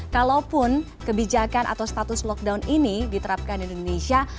kalaupun kebijakan atau status lockdown ini diterapkan di indonesia